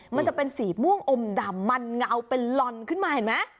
มันจะเป็นสีม่วงอมดำมันเงาเป็นลอนขึ้นมาเห็นไหม